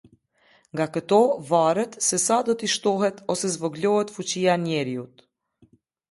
Nga këto varet sesa do t'i shtohet ose zvogëlohet fuqia njeriut.